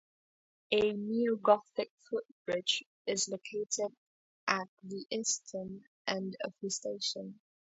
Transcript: A neo-gothic footbridge is located at the eastern end of the station.